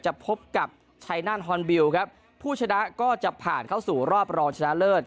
พบกับชัยนั่นฮอนบิลครับผู้ชนะก็จะผ่านเข้าสู่รอบรองชนะเลิศ